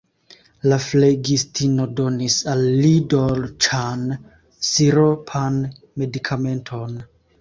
La flegistino donis al li dolĉan, siropan medikamenton.